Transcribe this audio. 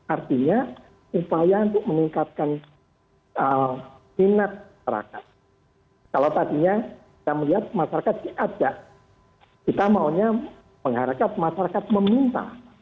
artinya upaya untuk meningkatkan sinar masyarakat